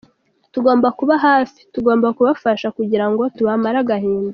Tugomba kubaba hafi, tugomba kubafasha kugirango tubamare agahinda.